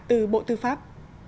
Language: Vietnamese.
từ bộ tư pháp